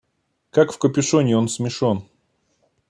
Как в капюшоне он смешон.